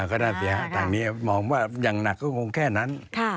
ก็น่าเสียทางนี้มองว่าอย่างหนักก็คงแค่นั้น